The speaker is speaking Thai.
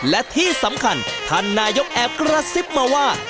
และที่สำคัญท่านนายกแอบกระซิบมาว่า